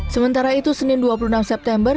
sementara itu senin dua puluh enam september